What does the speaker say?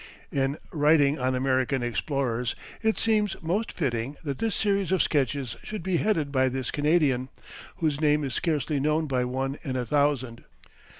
In writing on American explorers, it seems most fitting that this series of sketches should be headed by this Canadian, whose name is scarcely known by one in a thousand.